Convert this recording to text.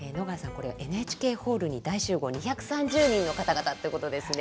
これＮＨＫホールに大集合２３０人の方々ってことですね。